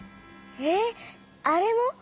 えっあれも？